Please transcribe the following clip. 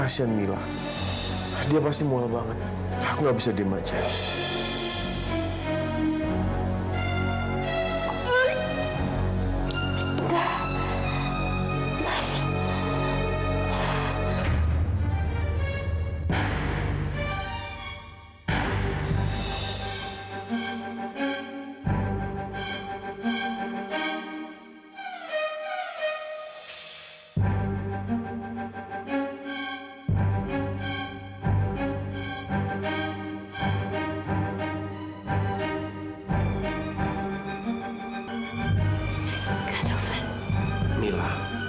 sampai jumpa di video selanjutnya